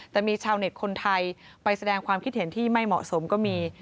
แต่มีชาวเน็ตคนไทยไปแสดงความคิดเห็นที่ไม่เหมาะสมก็มี